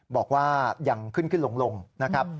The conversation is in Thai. บอกว่ายังขึ้นขึ้นลงนะครับ